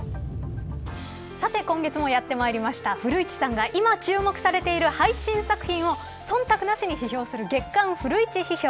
さて今月もやってまいりました古市さんが今注目されている配信作品を忖度なしに批評する月刊フルイチ批評。